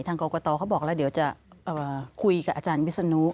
ทางกรกฎาวเขาบอกว่าเดี๋ยวจะคุยกับอาจารย์วิศนุ